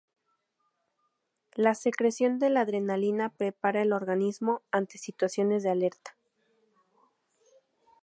La secreción de la adrenalina prepara el organismo ante situaciones de alerta.